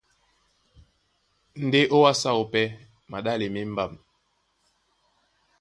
Ndé ó wásē áō pɛ́ maɗále má embám.